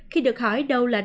khi được hỏi đâu là đa chế